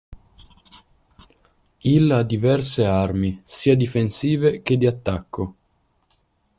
Il ha diverse armi, sia difensive che di attacco.